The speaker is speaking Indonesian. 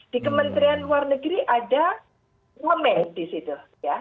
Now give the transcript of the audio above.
di kementerian luar negeri ada wamen di situ ya